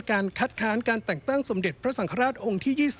การคัดค้านการแต่งตั้งสมเด็จพระสังฆราชองค์ที่๒๐